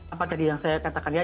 apa tadi yang saya katakan ya